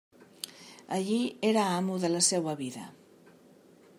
Allí era amo de la seua vida.